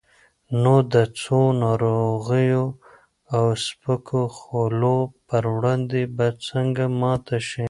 نو د څو ناروغو او سپکو خولو پر وړاندې به څنګه ماته شي؟